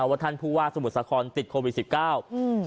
ว่าท่านผู้ว่าสมุทรสาครติดโควิดสิบเก้าอืม